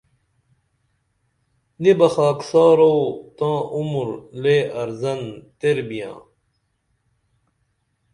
نی بہ خاکسارو تاں عمر لے ارزن تیر بیاں